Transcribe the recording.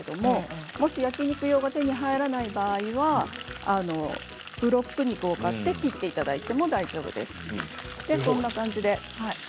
もし焼き肉用が手に入らない場合はブロック肉を買って切っていただいて大丈夫です。